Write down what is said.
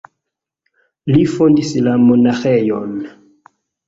Li fondis la monaĥejon.